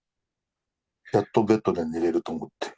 やっとベッドで寝れると思って。